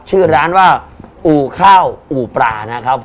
ชื่อร้านว่าอู่ข้าวอู่ปลานะครับ